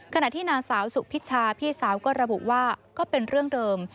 ขณะที่นางสาวสุพิชาพี่สาวก็ระบุว่าก็เป็นเรื่องเดิม